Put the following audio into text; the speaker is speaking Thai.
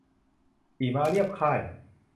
ขี่ม้าเลียบค่าย